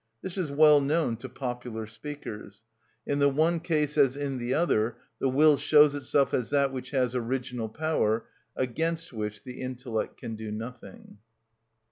This is well known to popular speakers. In the one case, as in the other, the will shows itself as that which has original power, against which the intellect can do nothing.